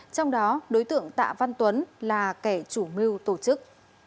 trong đó đối tượng tạ văn tuấn là kẻ chủ mưu tổ chức